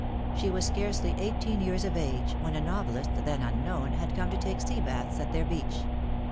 She was scarcely eighteen years of age, when a novelist, then unknown, had come to take sea baths at their beach.